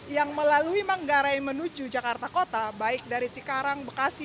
yang melalui manggarai menuju jakarta kota baik dari cikarang bekasi